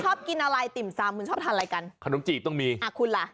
ชอบกินอะไรติ่มซำคุณชอบทานอะไรกันขนมจีบต้องมีอ่าคุณล่ะ